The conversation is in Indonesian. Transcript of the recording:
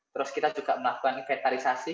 terus kita juga melakukan inventarisasi